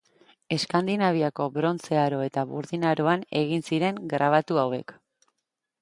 Eskandinaviako Brontze Aro eta Burdin Aroan egin ziren grabatu hauek.